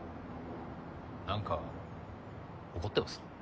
何か怒ってます？